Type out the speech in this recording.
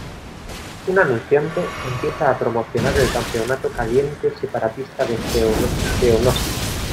Un anunciante empieza a promocionar el Campeonato Caliente Separatista de Geonosis.